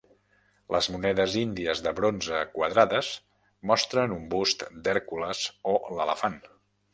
Les monedes índies de bronze, quadrades, mostren un bust d'Hèrcules o l'elefant.